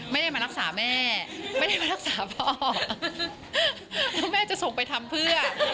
ไม่ได้มารักษาแม่ไม่ได้มารักษาพ่อแล้วแม่จะส่งไปทำเพื่อ